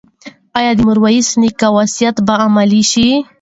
ایا د میرویس نیکه وصیت به عملي شي؟